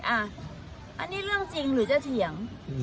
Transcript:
อันนี้เรื่องจริงหรือจะเถียง